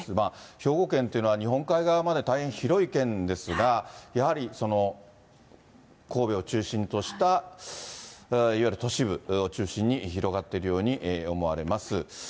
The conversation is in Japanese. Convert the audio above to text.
兵庫県というのは、日本海側まで大変広い県ですが、やはり神戸を中心としたいわゆる都市部を中心に広がっているように思われます。